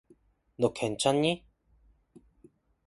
너 괜찮니?